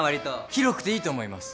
広くていいと思います。